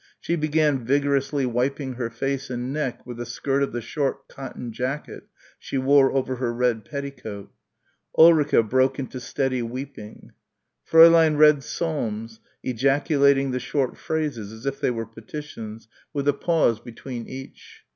She began vigorously wiping her face and neck with the skirt of the short cotton jacket she wore over her red petticoat. Ulrica broke into steady weeping. Fräulein read Psalms, ejaculating the short phrases as if they were petitions, with a pause between each.